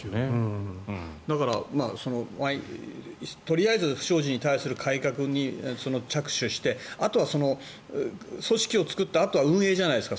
だから、とりあえず不祥事に対する改革に着手して、組織を作ったあとは運営じゃないですか。